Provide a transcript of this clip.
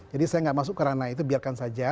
jadi saya enggak masuk kerana itu biarkan saja